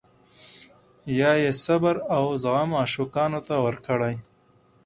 یا یې صبر او زغم عاشقانو ته ورکړی.